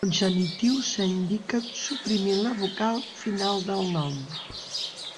El genitiu s'indica suprimint la vocal final del nom.